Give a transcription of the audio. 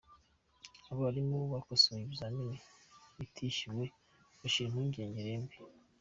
Abarimu bakosoye ibizamini batishyuwe bashire impungenge rembu